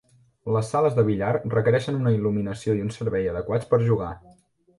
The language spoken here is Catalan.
Les sales de billar requereixen una il·luminació i un servei adequats per jugar.